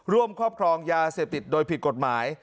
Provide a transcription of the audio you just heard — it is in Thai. ครอบครองยาเสพติดโดยผิดกฎหมาย